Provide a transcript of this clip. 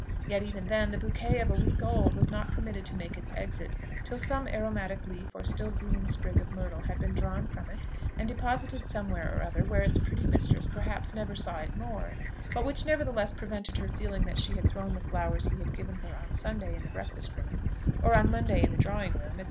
Yet even then, the bouquet of a week old was not permitted to make its exit till some aromatic leaf or still green sprig of myrtle had been drawn from it, and deposited somewhere or other, where its pretty mistress, perhaps, never saw it more, but which nevertheless prevented her feeling that she had thrown the flowers he had given her on Sunday in the breakfast room, or on Monday in the drawing room, &c.